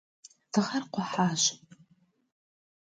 Dığer khêuaş.